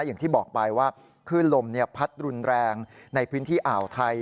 อย่างที่บอกไปว่าคลื่นลมพัดรุนแรงในพื้นที่อ่าวไทย